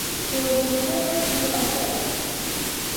There was a moment or two of silence.